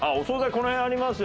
この辺ありますよ